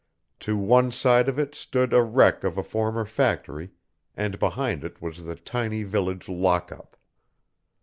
To one side of it stood a wreck of a former factory, and behind it was the tiny village "lockup."